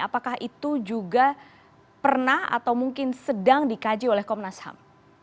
apakah itu juga pernah atau mungkin sedang dikaji oleh komnas ham